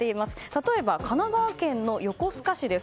例えば神奈川県の横須賀市です。